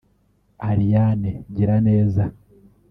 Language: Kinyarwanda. Ariane Giraneza